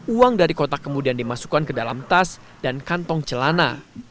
uang dari kotak kemudian dimasukkan ke dalam tas dan kantong celana